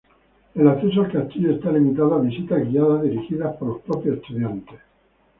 El acceso al castillo está limitado a visitas guiadas, dirigidas por los propios estudiantes.